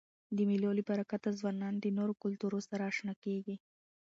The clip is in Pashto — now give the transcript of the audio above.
د مېلو له برکته ځوانان له نورو کلتورو سره اشنا کيږي.